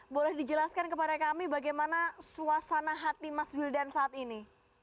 boleh dijelaskan kepada kami bagaimana suasana hati mas wildan saat ini